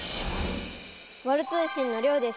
ワル通信のりょうです。